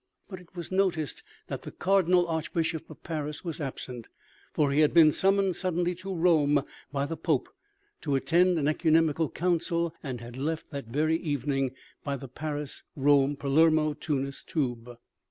But it was noticed that the cardinal archbishop of Paris was absent, for he had been sum moned suddenly to Rome by the Pope to attend an oecumenical council, and had left that very evening by the Paris Rome Palermo Tunis tube.